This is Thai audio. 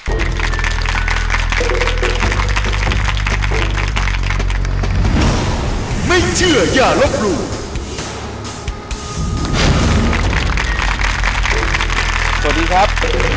สวัสดีครับ